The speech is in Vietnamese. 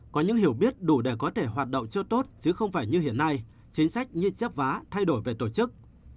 có những hiểu biết đủ để có thể hoạt động chưa tốt chứ không phải như hiện nay chính sách như chép vá thay đổi về tổ chức